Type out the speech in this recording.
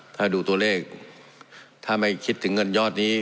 ถ้าดูตัวเลขถ้าไม่คิดถึงเงินยอดนี้